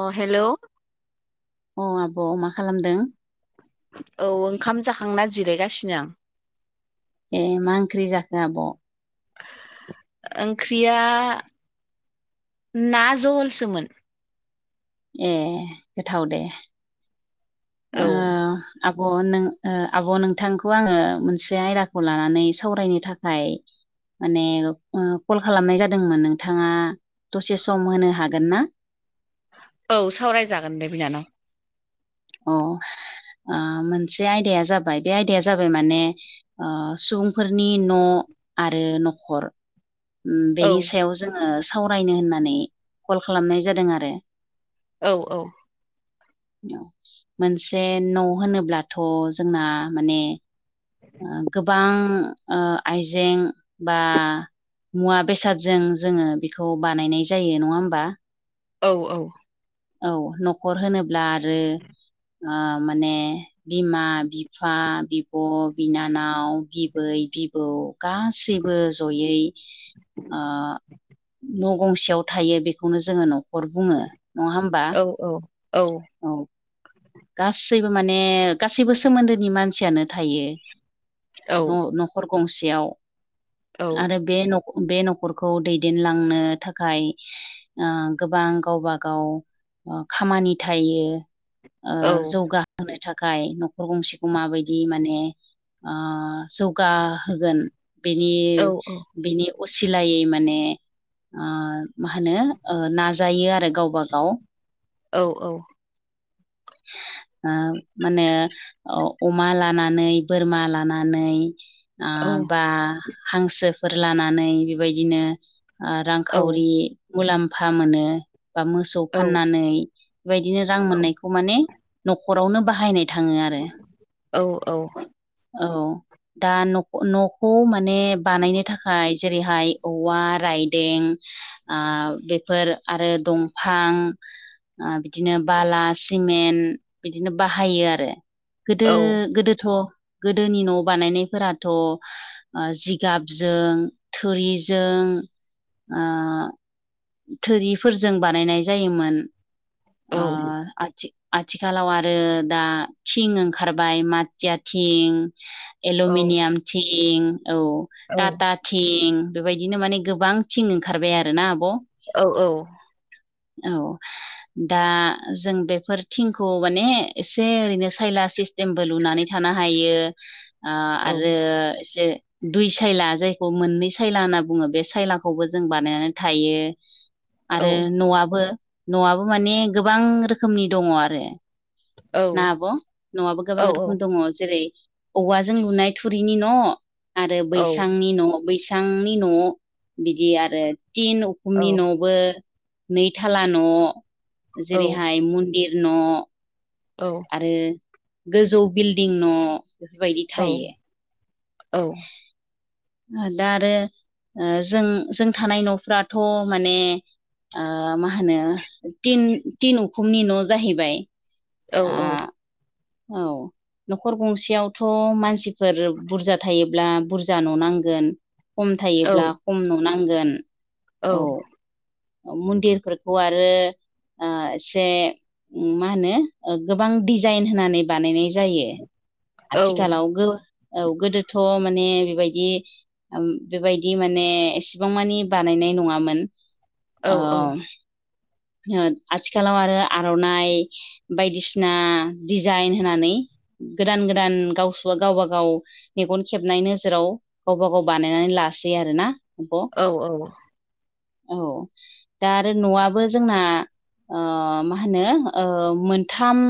अ hello अ आब' मा खालामदों। औ ओंखाम जाखांना जिरायगासिनो आं। ए मा ओंख्रि जाखो आब'? ओंख्रिया ना जहलसोमोन। ए गोथाव दे। ओ औ आब' नों ओ आब' नोंथांखौ आङो मोनसे आयदाखौ लानानै सावरायनो थाखाय माने उम कल खालामनाय जादोंमोन नोंथाङा दसे सम होनो हागोन ना औ सावरायजागोन दे बिनानाव। अ ओ मोनसे आयदाया जाबाय बे आयदाया जाबाय माने ओ सुबुंफोरनि न' आरो नखर औ बेनि सायाव जोङो सावरायनो होननानै कल खालामनाय जादों आरो। औ औ औ मोनसे न' होनोब्लाथ' जोंना माने ओ गोबां ओ आइजें बा मुवा बेसादजों जोङो बेखौ बानायनाय जायो नङा होमबा औ औ औ न'खर होनोब्ला आरो ओ माने बिमा बिफा बिब' बिनानाव बिबै बिबौ गासिबो जयै न' गंसेयाव थायो बेखौनो जोङो न'खर बुङो नङा होमबा औ औ औ औ। गासैबो माने गासैबो सोमोन्दोनि मानसियानो थायो न'-न' खर गंसेयाव औ आरो बे न' बे न'खरखौ दैदेनलांनो थाखाय ओ गोबां गावबा गाव ओ खामानि थायो। ओ औ जौगाहोनो थाखाय न'खर गंसेखौ माबायदि माने ओ जौगाहोगोन बिनि बिनि असिलायै माने ओ मा होनो? नाजायो आरो गावबा गाव। औ औ आ मा होनो? औ अमा लानानै बोरमा लानानै ओ बा औ हांसोफोर लानानै बेबायदिनो ओ रां औ खावरि मुलाम्फा मोनो बा मोसौ फाननानै बेबायदिनो रां मोननायखौ अ माने न'खरावनो बाहायनाय थाङो आरो। औ दा न'खौ न' खौ माने बानायनो थाखाय जेरैहाय औवा राइ दें आ बेफोर आरो दंफां ओ बिदिनो बाला सिमेन्ट बिदिनो बाहायो आरो गोदो गोदोथ' गोदोनि न' बानायनायफोराथ' ओ जिगाबजों थुरिजों ओ थोरिफोरजों बानायनाय जायोमोन ओ आथि आथिखालाव आरो दा थिं ओंखारबाय माथिया थिं एलमिनियाम थिं औ टाटा थिं बेबायदिनो माने गोबां थिं ओंखारबाय आरोना आब'? औ औ औ दा जों बेफोर थिंखौ माने एसे ओरैनो सायला सिस टेमबो लुनानै थानो हायो ओ आरो एसे दुइ सायला जायखौ मोननै सायला होनना बुङो बे सायलाखौबो जों बानायनानै थायो आरो न'आबो न'आबो माने गोबां रोखोमनि दङ आरो। ना आब' न'आबो गोबां रोखोम दङ जेरै औवाजों लुनाय थुरिनि न' आरो बैसांनि न' बैसांनि न' बिदि आरो तिन उखुमनि न'बो नैथाला न' जेरैहाय मन्दिर न' औ आरो गोजौ बिल्डिं न' बेफोरबायदि औ थायो औ दा आरो ओ जों जों थानाय न'फ्राथ' माने ओ मा होनो तिन तिन उखुमनि न' जाहैबाय। औ ओ औ। औ। न'खर गंसेयावथ' मानसिफोर बुरजा थायोब्ला बुरजा न'नांगोन खम थायोब्ला खम न' नांगोन। औ मन्दिरफोरखौ आरो ओ एसे मा होनो? ओ गोबां डिजाइन होनानै बानायनाय जायो। आथिखालाव गो औ गोदोथ' माने बेबायदि ओम बेबायदि माने एसेबां मानि बानायनाय नङामोन औ ओम ओ आथिखालाव आरो आर'नाइ बायदिसिना डिजाइन होनानै गोदान गोदान गावसो गावबा गाव मेगन खेबनाय नोजोराव गावबा गाव बानायनानै लासै आरोना आब'? औ औ। औ दा आरो न'याबो जोंना ओ मा होनो ओ मोनथाम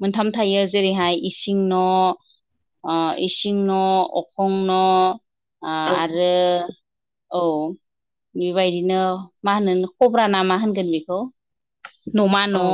मोनथाम थायो जेरैहाय इसिं न'। ओ इसिं न' अखं न' ओ आरो औ बेबायदिनो मा होनो कब्रा ना मा होनगोन बेखौ न'मा न' औ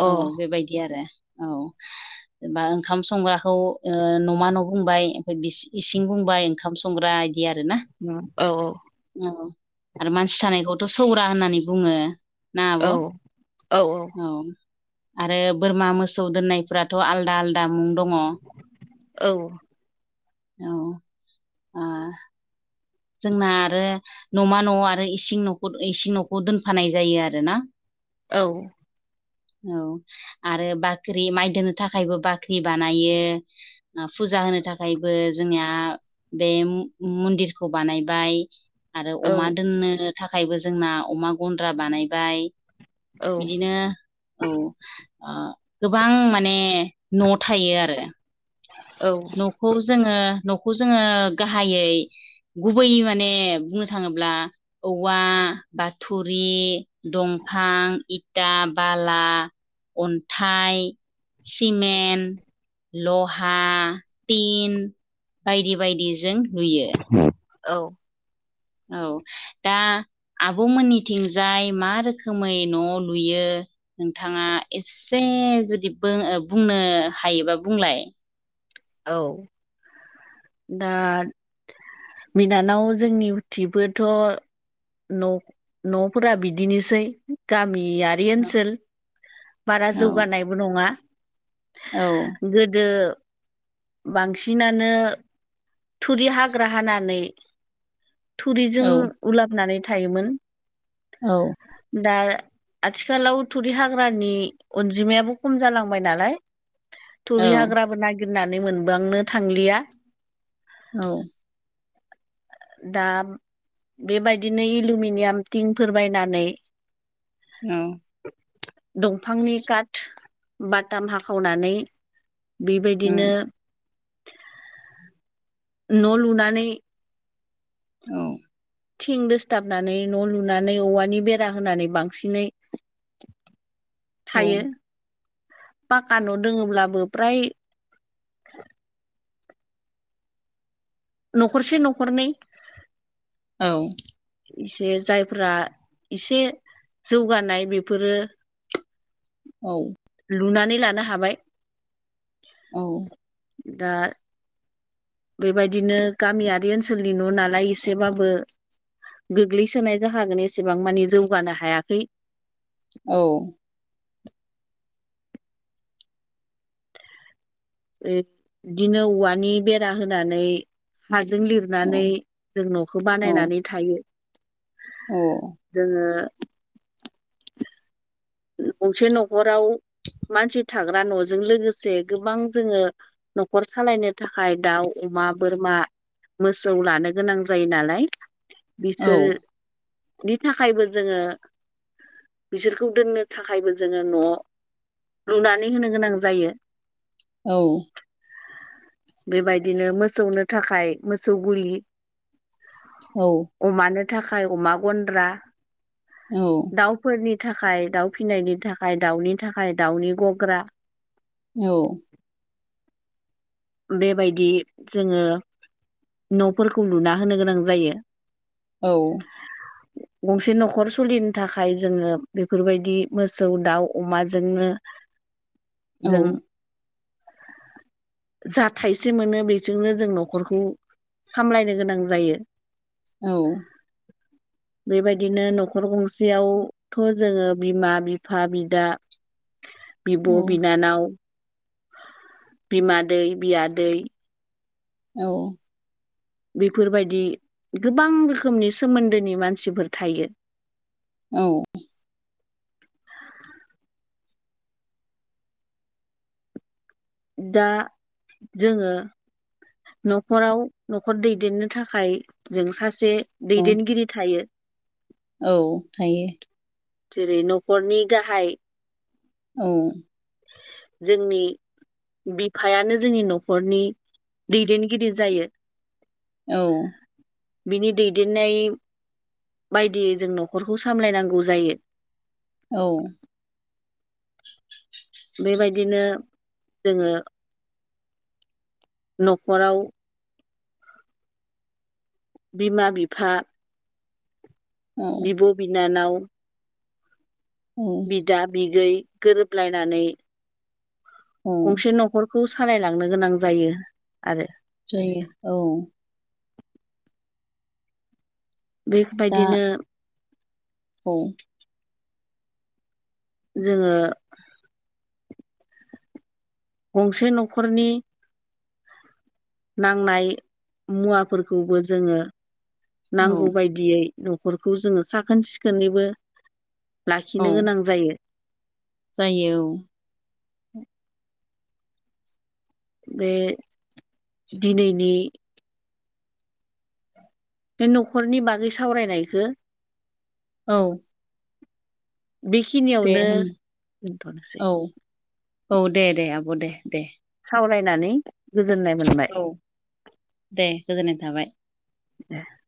अ बेबायदि आरो औ। जेनेबा ओंखाम संग्राखौ ओ न'मा न' बुंबाय ओमफ्राय बिस इसिं बुंबाय। ओंखाम संग्रा इदि आरो ना। औ औ औ आरो मानसि थानायखौथ' सौरा होननानै बुङो। ना आब' औ। औ आरो बोरमा मोसौ दोननायफोराथ' आलदा आलदा मुं दङ। औ औ आ जोंना आरो न'मा न' आरो इसिं न'खौ इसिं न'खौ दोनफानाय जायो आरो ना। औ औ आरो बाख्रि माइ दोननो थाखायबो बाख्रि बानायो। ना फुजा होनो थाखायबो जोंनिया बे मन्दिर खौ बानायबाय आरो अमा दोननो थाखायबो जोंना अमा गन्द्रा बानायबाय औ बिदिनो औ। अ गोबां माने न' थायो आरो [inaudible] न'खौ जोङो न'खौ जोङो गाहायै गुबै माने बुंनो थाङोब्ला औवा बा थुरि, दंफां, इटा, बाला अन्थाइ, सिमेन्ट, लहा पिन बायदि बायदिजों लुयो। [inaudible] औ दा आब' मोननिथिंजाय मा रोखोमै न' लुयो। नोंथाङा एसे जुदि बों बुंनो हायोबा बुंलाय। औ दा बिनानाव जोंनि बोथिंबोथ' न न'फोरा बिदिनोसै गामियारि औ ओनसोल बारा औ जौगानायबो नङा। औ गोदो बांसिनानो थुरि हाग्रा हानानै थुरिजों औ उलाबनानै थायोमोन। औ दा आथिखालाव थुरि हाग्रा नि अनजिमायाबो खम जालांबाय नालाय थुरि औ हाग्राबो होननानै मोनबांनो थांलिया। औ दा बेबायदिनो एलुमिनियाम टिंफोर बायनानै ओं दंफांनि काट बाटाम हाखावनानै उम बेबायदिनो न' लुनानै औ थिं दोसथाबनानै न' लुनानै औवानि बेरा होनानै बांसिनै औ थायो पाक्का न' दङब्लाबो फ्राय न'खरसे न'खरनै औ एसे जायफोरा एसे जौगानाय बेफोरो औ लुनानै लानो हाबाय। औ दा बेबायदिनो गामियारि ओनसोलनि न' नालाय एसेबाबो गोग्लैसोनाय जाहागोन एसेबां मानि जौगानो हायाखै औ बिदिनो औवानि बेरा होनानै हाजों लिर नानै जों न'खौ औ बानायनानै थायो औ जोङो गंसे न'खराव मानसि थाग्रा न'जों लोगोसे गोबां जोङो न'खर सालायनो थाखाय दाउ, अमा, बोरमा मोसौ लानो गोनां जायो नालाय बिसोरनि थाखायबो जोङो बिसोरखौ दोननो थाखायबो जोङो न' लुनानै होनो गोनां जायो। औ बेबायदिनो मोसौनो थाखाय मोसौ गुलि औ अमानो थाखाय अमा गन्द्रा औ दाउफोरनि थाखाय दाउ फिनायनि थाखाय दाउनि थाखाय दाउनि गग्रा औ बेबायदि जोङो न'फोरखौ लुना होनो गोनां जायो। औ गंसे न'खर सोलिनो थाखाय जोङो बेफोरबायदि मोसौ दाउ अमाजोंनो [inaudible] जों जा थाइसे मोनो बेजोंनो जों न'खरखौ सामलायनो गोनां जायो। औ बेबायदिनो न'खर गंसेयावथ' जोङो बिमा बिफा बिदा [inaudible] बिब' बिनानाव बिमादै बियादै औ बेफोरबायदि गोबां रोखोमनि सोमोन्दोनि मानसिफोर थायो। औ दा जोङो न'खराव न'खर दैदेननो थाखाय जों सासे दैदेनगिरि थायो औ थायो जेरै न'खरनि गाहाय औ जोंनि बिफायानो जोंनि न'खरनि दैदेनगिरि जायो। औ बिनि दैदेननाय बायदियै जों न'खरखौ सामलायनांगौ जायो। औ बेबायदिनो जोङो न'खराव बिमा बिफा बिब' बिनानाव बिदा बिगै गोरोबलायनानै औ औ गंसे न'खरखौ सालायलांनो गोनां जायो आरो जायो औ- दा बेबायदिनो औ जोङो गंसे न'खरनि नांनाय मुवाफोरखौबो जोङो औ नांगौ बायदियै न'खरखौ जोङो साखोन सिखोनैबो औ लाखिनो गोनां जायो। जायो औ। बे दिनैनि बे न'खरनि बागै सावरायनायखौ औ दे बेखिनियावनो होम दोनथ'नोसै। औ औ- दे- दे आब' दे- दे- सावरायनानै गोजोननाय मोनबाय। औ दे गोजोननाय थाबाय। [unintelligible]